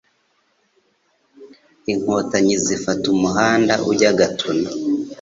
Inkotanyi zifata umuhanda ujya Gatuna.